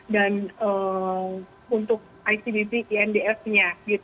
dan untuk icbp inds nya